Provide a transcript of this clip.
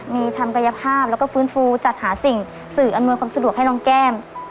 มีทำกายภาพแล้วก็ฟื้นฟูจัดหาสิ่งสื่ออำนวยความสะดวกให้น้องแก้ม